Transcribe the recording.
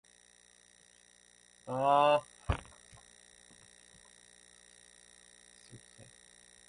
Therefore, these treasures are still to be visited in Florence today.